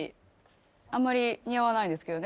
あんまり似合わないですけどねふだん。